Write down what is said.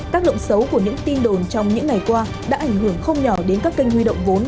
tác động xấu của những tin đồn trong những ngày qua đã ảnh hưởng không nhỏ đến các kênh huy động vốn